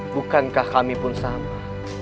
bukankah kami pun sama